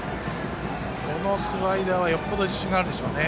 このスライダー、よっぽど自信があるんでしょうね。